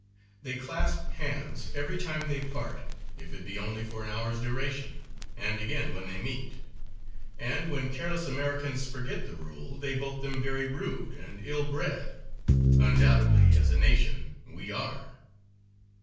They clasp hands every time they part, if it be only for an hour's duration, and again when they meet, and when careless Americans forget the rule they vote them very rude and ill bred. Undoubtedly, as a nation, we are.